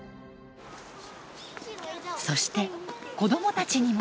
そして子どもたちにも。